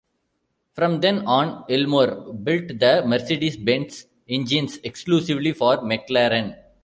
From then on Ilmor built the Mercedes-Benz engines exclusively for McLaren.